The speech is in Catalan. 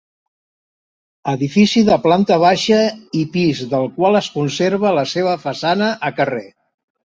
Edifici de planta baixa i pis del qual es conserva la seva façana a carrer.